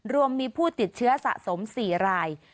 รวมมีผู้ติดเชื้อสะสม๔ราย